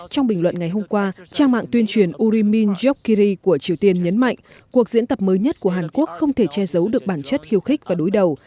trong bình luận ngày hôm qua trang mạng tuyên truyền urimin jokiri của triều tiên nhấn mạnh cuộc diễn tập mới nhất của hàn quốc không thể che giấu được bản chất khiêu khích và đối đầu